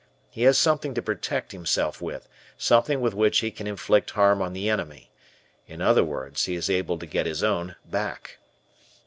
He has something to protect himself with, something with which he can inflict harm on the enemy, in other words, he is able to get his own back.